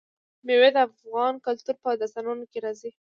مېوې د افغان کلتور په داستانونو کې راځي.